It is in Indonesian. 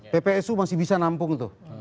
ppsu masih bisa nampung tuh